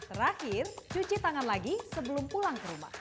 terakhir cuci tangan lagi sebelum pulang ke rumah